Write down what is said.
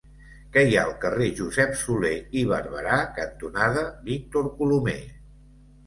Què hi ha al carrer Josep Solé i Barberà cantonada Víctor Colomer?